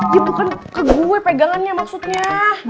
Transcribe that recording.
ya bukan ke gue pegangannya maksudnya